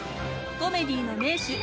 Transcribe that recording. コメディーの名手根本